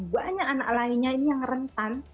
banyak anak lainnya ini yang rentan